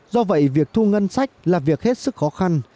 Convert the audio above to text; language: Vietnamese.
do vậy việc thu ngân sách là việc hết sức khó khăn